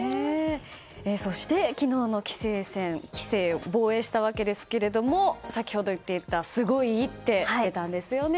そして昨日の棋聖戦で棋聖を防衛したわけですが先ほど言っていたすごい一手が出たんですよね。